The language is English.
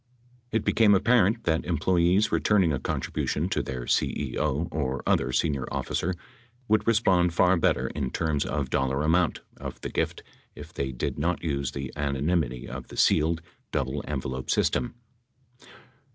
It became apparent that employees returning a contribution to their CEO or other senior officer would respond far better in terms of dollar amount of the gift if they did not use the anonymity of the sealed, double envelope svstem.